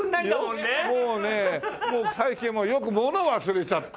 もうねもう最近はよくものを忘れちゃって。